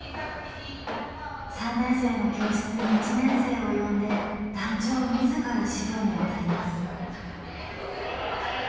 ３年生の教室に１年生を呼んで団長自ら指導に当たります。